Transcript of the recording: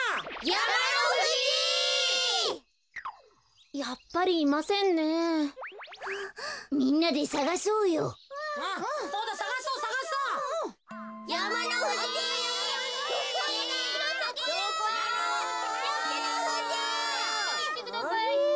やまのふじ！でてきてください。